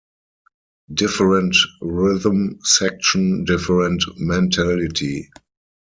Different rhythm section, different mentality.